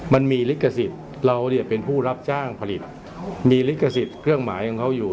ลิขสิทธิ์เราเนี่ยเป็นผู้รับจ้างผลิตมีลิขสิทธิ์เครื่องหมายของเขาอยู่